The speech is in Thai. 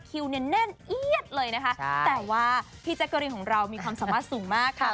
คิวเนี่ยแน่นเอียดเลยนะคะแต่ว่าพี่แจ๊กกะรีนของเรามีความสามารถสูงมากค่ะ